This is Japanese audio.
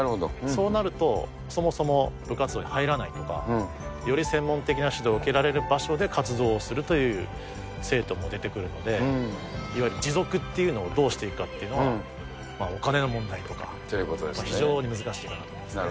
そうなると、そもそも部活動に入らないとか、より専門的な指導を受けられる場所で活動をするという生徒も出てくるので、いわゆる持続っていうのをどうしていくかっていうのは、お金の問題とか、非常に難しいかなと思いますね。